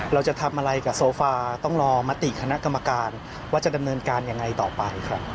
เราจะทำอะไรกับโซฟาต้องรอมติคณะกรรมการว่าจะดำเนินการยังไงต่อไปครับ